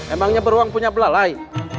emangnya beruang punya belalai